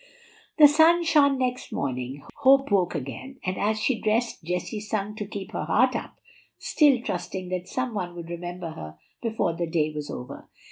The sun shone next morning, hope woke again, and as she dressed Jessie sung to keep her heart up, still trusting that some one would remember her before the day was over.